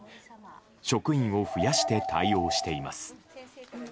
職員を増やして対応しています。